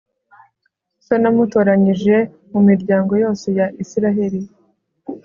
so namutoranyije mu miryango yose ya israheli